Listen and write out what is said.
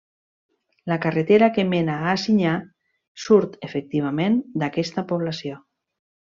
La carretera que mena a Ansinyà surt, efectivament, d'aquesta població.